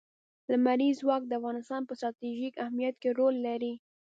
لمریز ځواک د افغانستان په ستراتیژیک اهمیت کې رول لري.